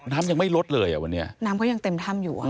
น้ำยังไม่ลดเลยอ่ะวันนี้น้ำก็ยังเต็มถ้ำอยู่อ่ะ